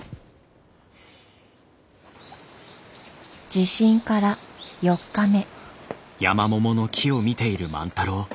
地震から４日目。